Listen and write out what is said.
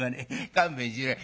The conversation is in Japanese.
勘弁しろよ。